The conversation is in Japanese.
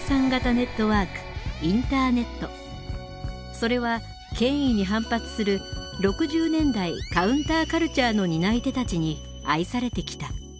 それは権威に反発する６０年代カウンターカルチャーの担い手たちに愛されてきた。